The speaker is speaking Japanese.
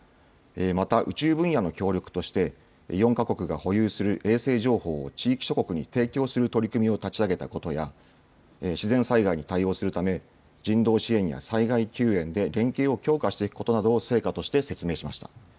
また、宇宙分野の協力として、４か国が保有する衛星情報を地域諸国に提供する取り組みを立ち上げたことや、自然災害に対応するため、人道支援や災害救援で、連携を強化していくことなどを成果として説明しました。